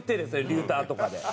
リューターとかで。